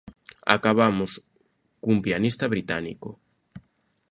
Acabamos cun pianista británico.